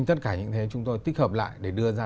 tất cả những thế chúng tôi tích hợp lại để đưa ra